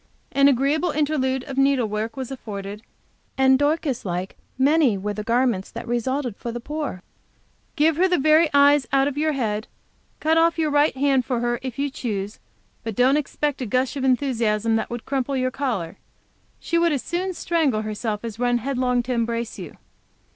An agreeable interlude of needlework was afforded, and Dorcas like, many were the garments that resulted for the poor. Give her the very eyes out of your head, cut off your right hand for her if you choose, but don't expect a gush of enthusiasm that would crumple your collar; she would as soon strangle herself as run headlong to embrace you.